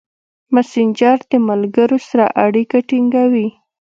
مسېنجر د ملګرو سره اړیکې ټینګوي.